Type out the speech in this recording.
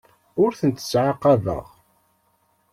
Ur tent-ttɛaqabeɣ.